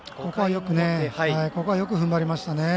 ここはよくふんばりましたね。